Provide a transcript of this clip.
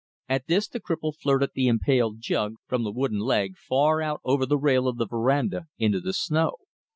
At this the cripple flirted the impaled jug from the wooden leg far out over the rail of the verandah into the snow.